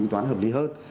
tính toán hợp lý hơn